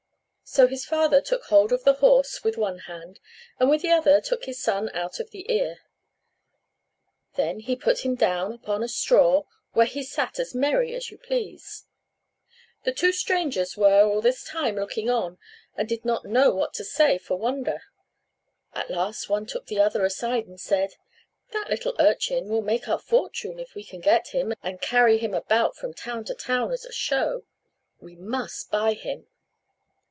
So his father took hold of the horse with one hand, and with the other took his son out of the ear; then he put him down upon a straw, where he sat as merry as you please. The two strangers were all this time looking on, and did not know what to say for wonder. At last one took the other aside and said, "That little urchin will make our fortune if we can get him, and carry him about from town to town as a show; we must buy him."